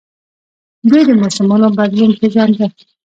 دوی د موسمونو بدلون پیژانده